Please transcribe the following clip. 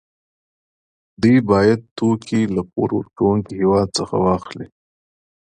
دوی باید توکي له پور ورکوونکي هېواد څخه واخلي